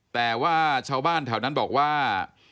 แต่ว่าชาวบ้านแถวนั้นบอกว่า